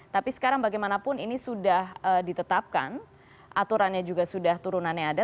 tapi sekarang bagaimanapun ini sudah ditetapkan aturannya juga sudah turunannya ada